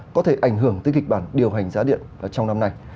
có thể ảnh hưởng tới kịch bản điều hành giá điện trong năm nay